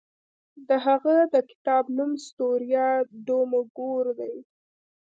د هغه د کتاب نوم ستوریا ډو مګور دی.